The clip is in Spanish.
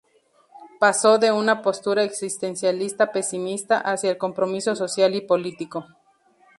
Pasó de una postura existencialista pesimista hacia el compromiso social y político.